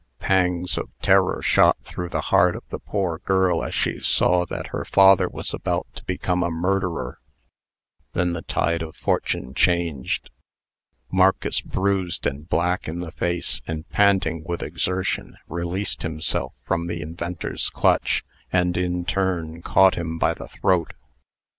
Pangs of terror shot through the heart of the poor girl as she saw that her father was about to become a murderer. Then the tide of fortune changed. Marcus, bruised and black in the face, and panting with exertion, released himself from the inventor's clutch, and, in turn, caught him by the throat.